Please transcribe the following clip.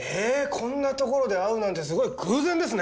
こんな所で会うなんてすごい偶然ですね！